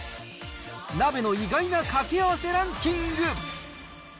鍋の意外なかけあわせランキング。